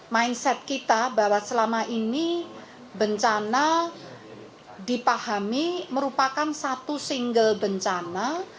mindset kita bahwa selama ini bencana dipahami merupakan satu single bencana